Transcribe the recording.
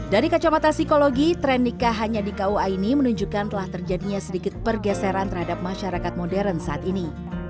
dari kacamata psikologi tren nikah hanya di kua ini menunjukkan telah terjadinya sedikit pergeseran terhadap masyarakat modern saat ini